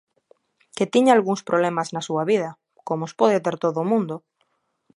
Que tiña algúns problemas na súa vida, como os pode ter todo o mundo.